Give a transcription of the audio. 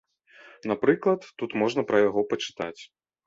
Напрыклад, тут можна пра яго пачытаць.